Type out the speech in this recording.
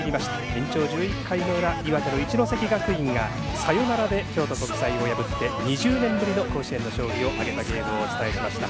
延長１１回の裏岩手の一関学院がサヨナラで京都国際を破って２０年ぶりの甲子園の勝利を挙げたゲームをお伝えしました。